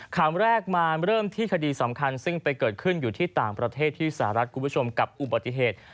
คำแรกมาเริ่มที่คดีสำคัญซึ่งไปเกิดขึ้นอยู่ที่ต่างประเทศที่สหรัฐคุณผู้ชมกับอุบัติเหตุ